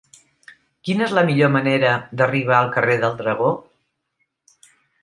Quina és la millor manera d'arribar al carrer del Dragó?